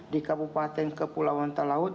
di kabupaten kepulauan talaut